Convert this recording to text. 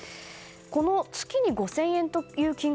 この月に５０００円という金額